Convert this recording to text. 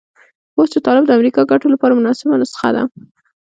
اوس چې طالب د امریکا ګټو لپاره مناسبه نسخه ده.